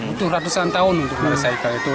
butuh ratusan tahun untuk direcycle